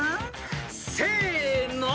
［せの！］